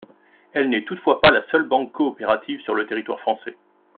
Elle n’est toutefois pas la seule banque coopérative sur le territoire français.